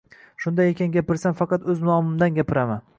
Shunday ekan, gapirsam faqat o‘z nomimdan gapiraman